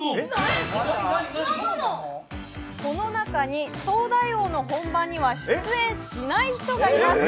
この中に「東大王」の本番には出演しない人がいます。